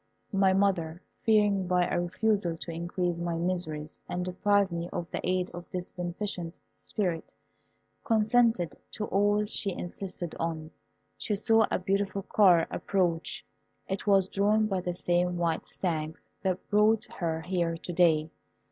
My mother, fearing by a refusal to increase my miseries and deprive me of the aid of this beneficent spirit, consented to all she insisted on. She saw a beautiful car approach; it was drawn by the same white stags that brought her here to day.